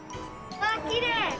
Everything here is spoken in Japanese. わっ、きれい。